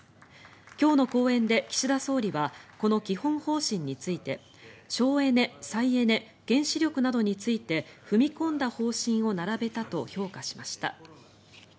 今日の講演で岸田総理はこの基本方針について省エネ、再エネ原子力などについて踏み込んだ方針を並べたと評価しました。